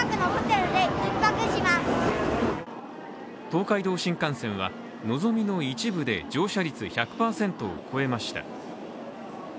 東海道新幹線はのぞみの一部で乗車率１００％を超えました。